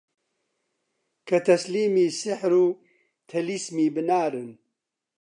کە تەسلیمی سیحر و تەلیسمی بنارن